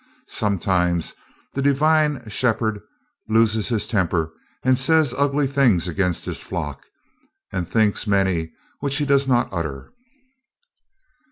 Sometimes the divine shepherd loses his temper and says ugly things against his flock, and thinks many which he does not utter.